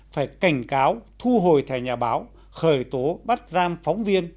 phải cảnh cáo thu hồi thẻ nhà báo khởi tố bắt giam phóng viên